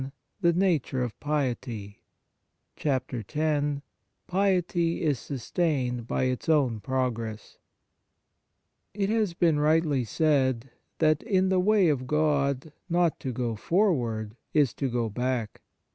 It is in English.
80 The Nature of Piety PIETY IS SUSTAINED BY ITS OWN PROGRESS TT has been rightly said that, "in * the way of God, not to go forward is to go back."